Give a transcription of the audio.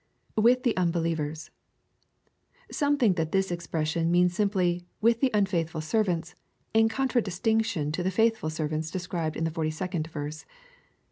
[ With the unbelievers.] Some think that this expression means simply " with the unfaithful servants," in contradistinction to the " faithful servants," described in the 42d verse.